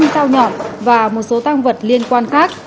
năm dao nhọn và một số tăng vật liên quan khác